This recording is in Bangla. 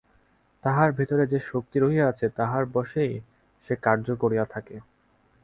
তাহার ভিতরে যে শক্তি রহিয়াছে, তাহার বশেই সে কার্য করিয়া থাকে।